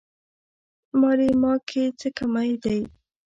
مالې ما کې څه کمی دی.